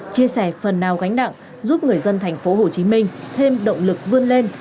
chia sẻ phần nào gánh nặng giúp người dân tp hcm thêm động lực vươn lên